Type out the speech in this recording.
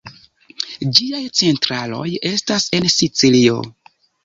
Ĝiaj centraloj estas en Sicilio.